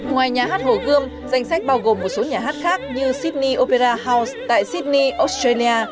ngoài nhà hát hồ gươm danh sách bao gồm một số nhà hát khác như sydney opera house tại sydney australia